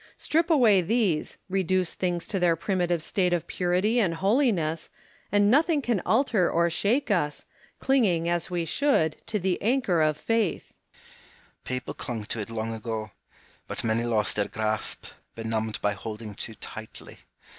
Strip away these, reduce things to their primitive state of purity and holiness, and nothing can alter or shake us, clinging, as we should, to the anchor of faith. Hume. People clung to it long ago ; but many lost their grasp, benumbed by holding too tightly.